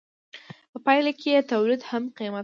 په پایله کې یې تولید هم قیمت کاوه.